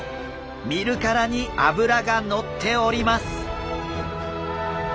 見るからに脂が乗っております！